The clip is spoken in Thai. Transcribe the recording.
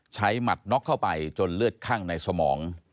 ใช้หมัดน็อคเข้าไปจนเลือดข้างในสมอง